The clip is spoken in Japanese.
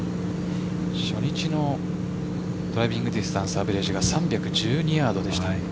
初日のドライビングディスタンスアベレージが３１２ヤードでした。